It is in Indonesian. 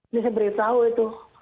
ini saya beritahu itu